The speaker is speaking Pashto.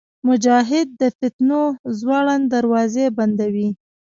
مجاهد د فتنو زوړند دروازې بندوي.